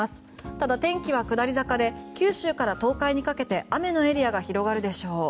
ただ、天気は下り坂で九州から東海にかけて雨のエリアが広がるでしょう。